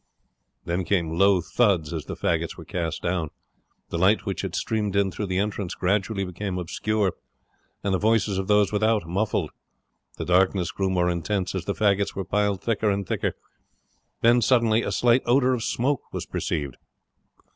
Then came low thuds as the faggots were cast down. The light which had streamed in through the entrance gradually became obscure, and the voices of those without muffled. The darkness grew more intense as the faggots were piled thicker and thicker; then suddenly a slight odour of smoke was perceived.